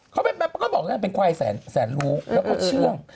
เขาบอกวิว่าหนึ่งเป็นควายแสนรูแล้วก็เชื่อง